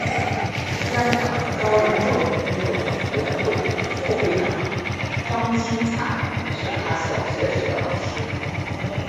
香港高龄教育工作者联会副会长张钦灿是他小学时的老师。